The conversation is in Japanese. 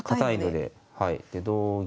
で同銀。